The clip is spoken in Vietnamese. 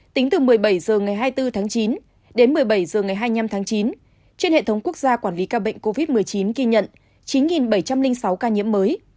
tính từ một mươi bảy h ngày hai mươi bốn tháng chín đến một mươi bảy h ngày hai mươi năm tháng chín trên hệ thống quốc gia quản lý ca bệnh covid một mươi chín ghi nhận chín bảy trăm linh sáu ca nhiễm mới